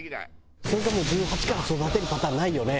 それかもう１８から育てるパターンないよね？